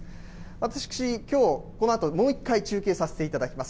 私、きょう、このあと、もう一回中継させていただきます。